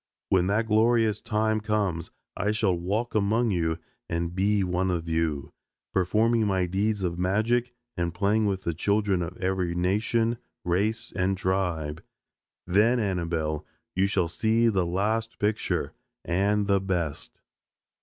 When that glorious time comes I shall walk among you and be one of you, performing my deeds of magic and playing with the children of every nation, race and tribe. Then, Annabelle, you shall see the last picture and the best."